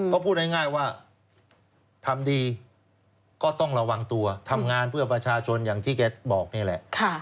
ก็พูดง่ายว่าทำดีก็ต้องระวังตัวทำงานเพื่อประชาชนอย่างที่แกบอกนี่แหละ